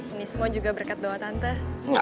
ini semua juga berkat doa tante